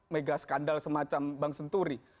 mega skandal semacam bank senturi